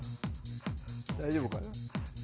大丈夫かな。